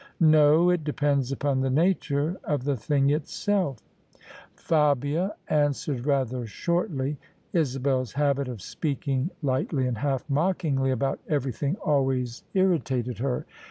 " No : it depends upon the nature of the thing itself." Fabia answered rather shortly. Isabel's habit of speaking lightly and half mockingly about everything always irritated her.